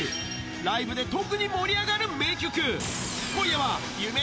ライブで特に盛り上がる名曲。